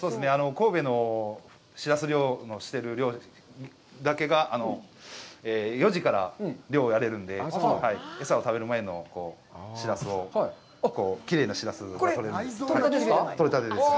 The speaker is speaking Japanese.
神戸のしらす漁してる漁師だけが、４時から漁をやれるんで、餌を食べる前のしらすを、きれいなしらすが取れるんです。